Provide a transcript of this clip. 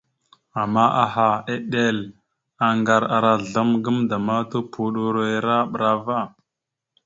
Ama aha, eɗel, aŋgar ara azzlam gamənda ma tupoɗoro ere bra ava.